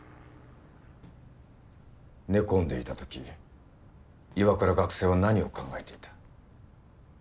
寝込んでいた時岩倉学生は何を考えていた？